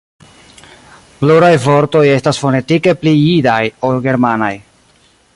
Pluraj vortoj estas fonetike pli jidaj ol germanaj.